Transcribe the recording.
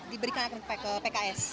diberikan ke pks